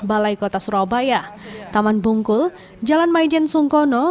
balai kota surabaya taman bungkul jalan maijen sungkono